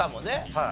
はい。